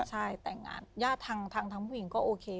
ใช่แต่งงานญาติทางผู้หญิงก็โอเค